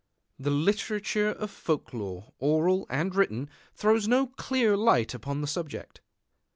The literature of folk lore oral and written throws no clear light upon the subject.